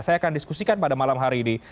saya akan diskusikan pada malam hari ini